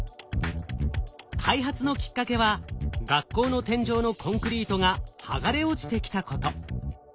開発のきっかけは学校の天井のコンクリートが剥がれ落ちてきたこと。